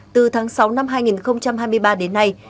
từ tháng sáu năm hai nghìn hai mươi ba đến nay